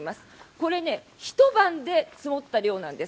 これひと晩で積もった量なんです。